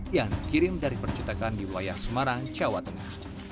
yang dikirim dari percetakan di wayang semarang jawa tengah